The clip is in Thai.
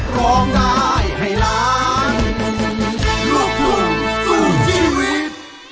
ร้องได้ให้ล้านลูกทุ่งสู้ชีวิต